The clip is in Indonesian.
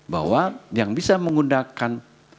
bahwa yang bisa menggunakan